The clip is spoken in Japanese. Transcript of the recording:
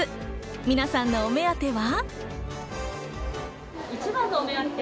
皆さんのお目当ては？